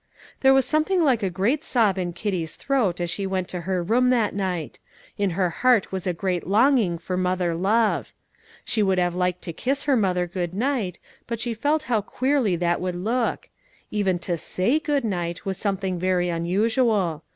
There was something like a great sob in Kitty's throat as she went to her room that night; in her heart was a great longing for mother love. She would have liked to kiss her mother good night, but she felt how queerly that would look; even to say good night was something very unusual.